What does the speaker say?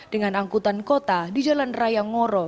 dengan angkutan kota di jalan raya ngoro